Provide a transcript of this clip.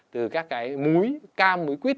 từ các cái múi cam múi quýt